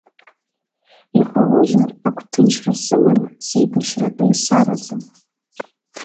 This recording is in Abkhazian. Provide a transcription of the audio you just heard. Иҟалозар, агәҭынчра сыманы сеибашьратәы исараӡа.